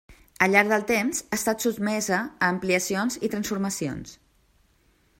Al llarg del temps ha estat sotmesa a ampliacions i transformacions.